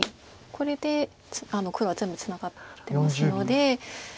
これで黒は全部ツナがってますので。